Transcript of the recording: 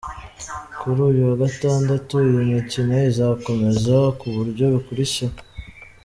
Kuri uyu wa gatandatu, iyi mikino izakomeza ku buryo bukurikira:.